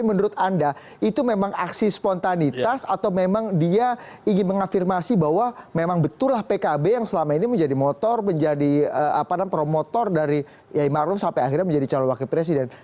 menurut anda itu memang aksi spontanitas atau memang dia ingin mengafirmasi bahwa memang betullah pkb yang selama ini menjadi motor menjadi promotor dari yai maruf sampai akhirnya menjadi calon wakil presiden